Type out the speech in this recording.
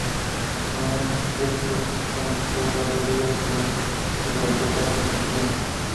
Con este club conquistó cuatro Ligas y dos Supercopas de Turquía.